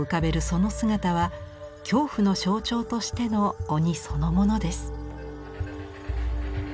その姿は恐怖の象徴としての鬼そのものです。